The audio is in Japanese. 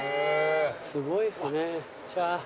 すごいですね。